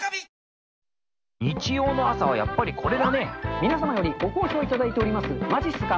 皆様よりご好評いただいておりますまじっすか。